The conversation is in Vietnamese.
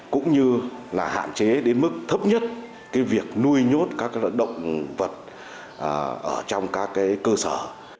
cũng như hạn chế đến mức thấp nhất việc nuôi nhốt các động vật ở trong các cơ sở